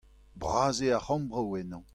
Bras eo ar c'hambroù ennañ.